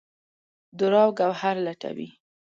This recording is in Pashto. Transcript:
دُراو ګوهر لټوي